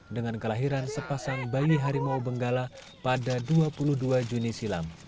dengan kelahiran sepasang bayi harimau benggala pada dua puluh dua juni silam